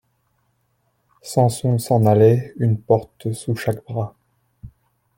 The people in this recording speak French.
Samson s'en allait, une porte sous chaque bras.